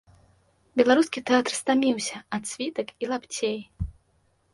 Беларускі тэатр стаміўся ад світак і лапцей.